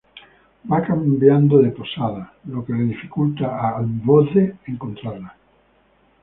Va cambiando de posada, lo que le dificulta a Kvothe encontrarla.